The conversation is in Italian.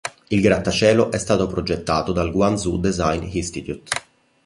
Il grattacielo è stato progettato dal "Guangzhou Design Institute".